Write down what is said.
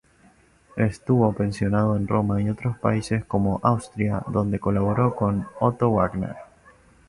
Estuvo pensionado en Roma y otros países como Austria, donde colaboró con Otto Wagner.